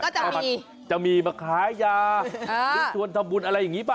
ก็จะมีจะมีมาขายยามีชวนทำบุญอะไรอย่างนี้ป่ะ